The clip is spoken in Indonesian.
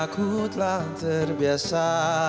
ku telah terbiasa